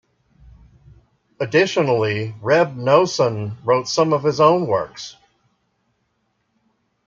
Additionally, Reb Noson wrote some of his own works.